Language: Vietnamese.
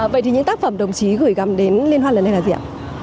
vậy thì những tác phẩm đồng chí gửi gắm đến liên hoan lần này là gì ạ